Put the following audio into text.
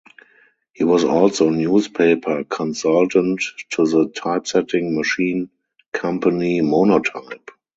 He was also newspaper consultant to the typesetting machine company Monotype.